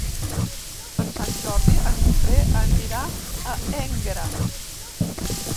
Per Sant Jordi en Guifré anirà a Énguera.